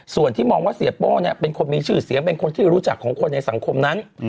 ส่วนที่มองว่าเสียโป้เป็นคนมีชื่อเสียงเป็นคนที่รู้จักของคนในสังคมนั้น